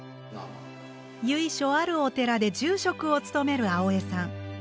由緒あるお寺で住職を務める青江さん